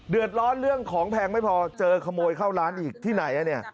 เดือดร้อนเรื่องของแพงไม่พอเจอขโมยเข้าร้านอีกที่ไหน